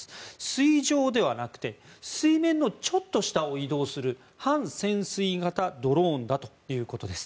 水上ではなくて水面のちょっと下を移動する半潜水型ドローンだということです。